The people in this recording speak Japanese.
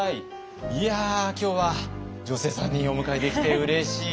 いや今日は女性３人お迎えできてうれしいです。